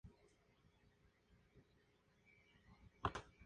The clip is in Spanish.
Se basa en las peores condiciones para arrancar el motor un automóvil.